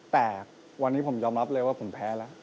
แต่วันนี้ผมยอมรับเลยว่าผมแพ้แล้ว